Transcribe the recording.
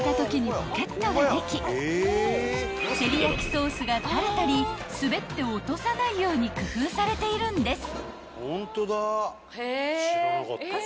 ［てりやきソースが垂れたり滑って落とさないように工夫されているんです］